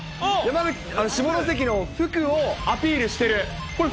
下関のふくをアピールしてる。